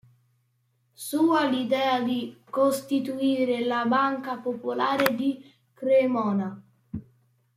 Sua l'idea di costituire la Banca Popolare di Cremona.